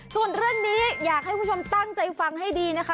ส่วนเรื่องนี้อยากให้คุณผู้ชมตั้งใจฟังให้ดีนะคะ